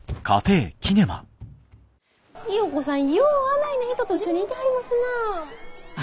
清子さんようあないな人と一緒にいてはりますなあ。